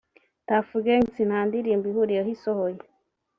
Tuff Gangs nta ndirimbo ihuriyeho isohoye